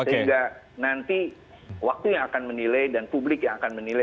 sehingga nanti waktu yang akan menilai dan publik yang akan menilai